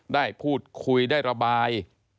ได้พูดคุยได้ระบาย